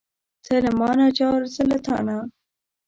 ته له مانه جار، زه له تانه.